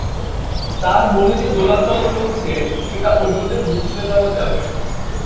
তার মনে যে দোলাচল চলছে, সেটা অন্যদের বুঝতে দেওয়া যাবে না।